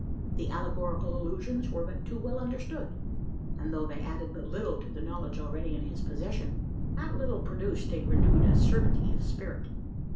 The allegorical allusions were but two well understood; and though they added but little to the knowledge already in his possession, that little produced a renewed acerbity of spirit.